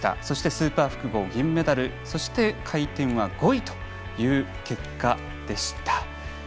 そしてスーパー複合、銀メダルそして回転は５位という結果でした。